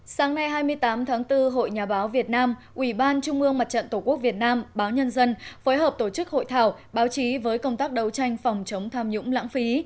sáng nay hai mươi tám tháng bốn hội nhà báo việt nam ủy ban trung ương mặt trận tổ quốc việt nam báo nhân dân phối hợp tổ chức hội thảo báo chí với công tác đấu tranh phòng chống tham nhũng lãng phí